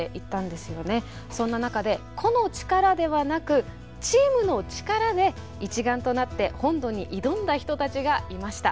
そんな中で「個の力」ではなくチームの力で一丸となって本土に挑んだ人たちがいました。